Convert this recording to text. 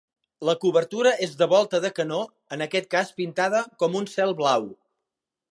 La cobertura és de volta de canó en aquest cas pintada com un cel blau.